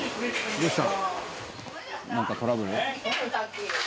どうした？